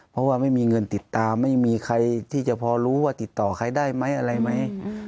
เพราะว่าไม่มีเงินติดตามไม่มีใครที่จะพอรู้ว่าติดต่อใครได้ไหมอะไรไหม